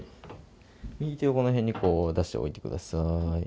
右手をこの辺にこう出しておいてください。